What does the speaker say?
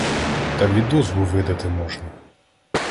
Та відозву видати можна.